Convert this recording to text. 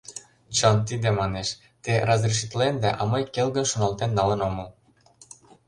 — Чын тиде, — манеш, — те разрешитленда, а мый келгын шоналтен налын омыл.